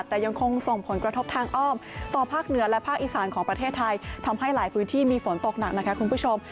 แต่ยังคงส่งผลกระทบทางอ้อมต่อภาคเหนือและภาคอีสานของประเทศไทยทำให้หลายพื้นที่มีฝนตกหนักนะคะคุณผู้ชม